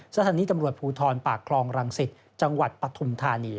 สถานีตำรวจภูทรปากคลองรังสิตจังหวัดปฐุมธานี